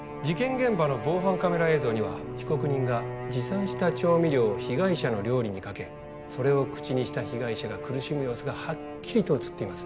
現場の防犯カメラ映像には被告人が持参した調味料を被害者の料理にかけそれを口にした被害者が苦しむ様子がハッキリと写っています